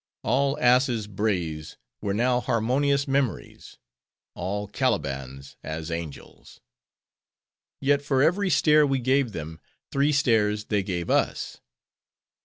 All asses' brays were now harmonious memories; all Calibans, as angels. Yet for every stare we gave them, three stares they gave us.